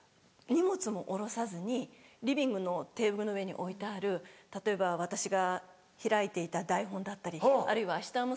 荷物も下ろさずにリビングのテーブルの上に置いてある例えば私が開いていた台本だったりあるいは明日